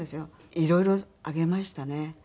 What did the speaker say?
いろいろあげましたね。